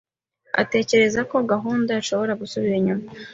atekereza ko gahunda ishobora gusubira inyuma.